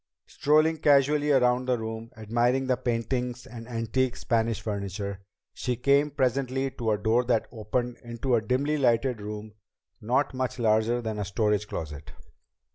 Strolling casually around the room, admiring the paintings and the antique Spanish furniture, she came presently to a door that opened into a dimly lighted room not much larger than a storage closet.